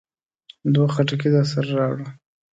دوه خټکي درسره راوړه.